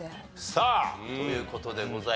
さあという事でございまして。